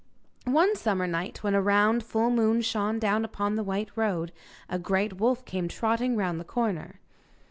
One summer night, when a round full moon shone down upon the white road, a great wolf came trotting round the corner.